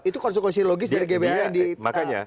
itu konsekuensi logis dari gban yang diaktifkan